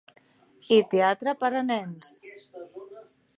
I teatre per a nens.